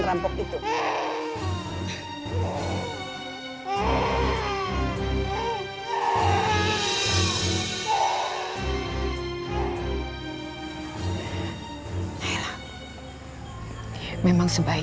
lu kok dibikinin bubur